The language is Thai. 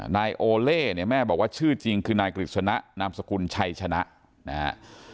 นายโอเล่เนี่ยแม่บอกว่าชื่อจริงคือนายกฤษณะนามสกุลชัยชนะนะฮะ